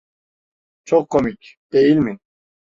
Çok komik, değil mi?